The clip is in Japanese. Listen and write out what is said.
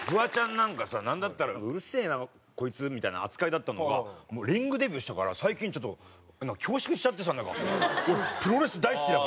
なんだったらうるせえなこいつみたいな扱いだったのがもうリングデビューしたから最近ちょっと恐縮しちゃってさなんか。